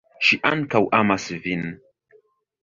Ŝi ankaŭ amas vin.